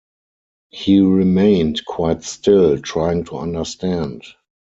He remained quite still, trying to understand.